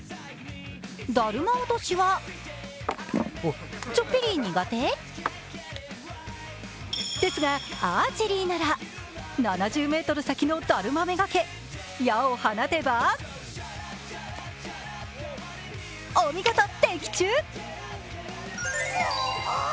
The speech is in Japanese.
だるま落としはちょっぴり苦手ですが、アーチェリーなら７０ｍ先のだるまめがけ、矢を放てばお見事、的中。